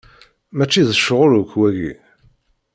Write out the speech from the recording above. Mačči d ccɣel akk, wagi.